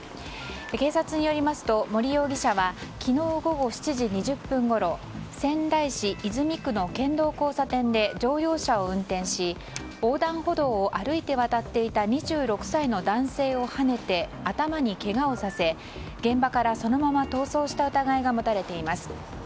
警察によりますと、森容疑者は昨日午後７時２０分ごろ仙台市泉区の県道交差点で乗用車を運転し横断歩道を歩いて渡っていた２６歳の男性をはねて頭にけがをさせ現場からそのまま逃走した疑いが持たれています。